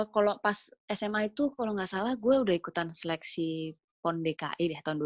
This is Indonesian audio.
kalau pas sma itu kalau nggak salah gue udah ikutan seleksi pon dki ya tahun dua ribu